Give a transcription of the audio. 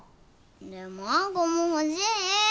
でも亜子も欲しい。